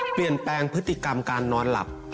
เปลี่ยนแปลงพฤติกรรมการนอนหลับ